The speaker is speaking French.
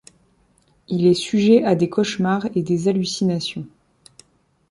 Il est sujet à des cauchemars et des hallucinations.